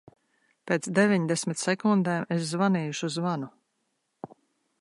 Pēc deviņdesmit sekundēm es zvanīšu zvanu.